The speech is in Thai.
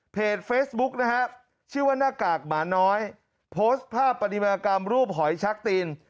เฟซบุ๊กนะฮะชื่อว่าหน้ากากหมาน้อยโพสต์ภาพปฏิมากรรมรูปหอยชักตีน